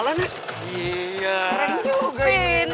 keren juga ini